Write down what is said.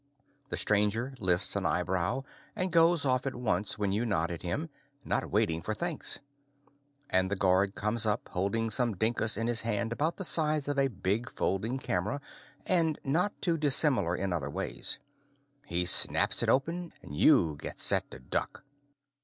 The stranger lifts an eyebrow and goes off at once when you nod at him, not waiting for thanks. And the guard comes up, holding some dinkus in his hand, about the size of a big folding camera and not too dissimilar in other ways. He snaps it open and you get set to duck.